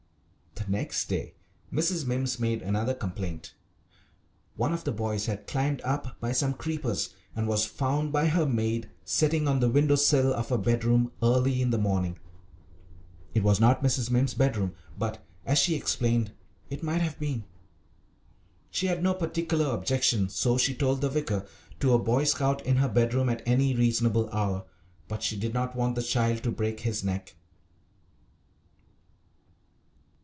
The next day Mrs. Mimms made another complaint. One of the boys had climbed up by some creepers, and was found by her maid sitting on the window sill of a bedroom early in the morning. It was not Mrs. Mimms's bedroom, but, as she explained, it might have been. She had no particular objection, so she told the vicar, to a Boy Scout in her bedroom at any reasonable hour, but she did not want the child to break his neck.